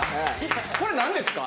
これなんですか？